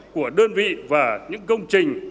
của đơn vị và những công trình